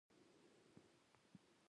• واده د خوښ ژوند راز دی.